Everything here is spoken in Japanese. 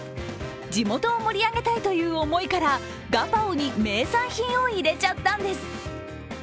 地元を盛り上げたいという思いから、ガパオに名産品を入れちゃったんです。